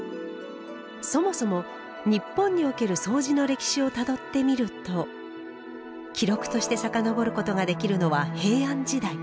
そもそも日本におけるそうじの歴史をたどってみると記録として遡ることができるのは平安時代。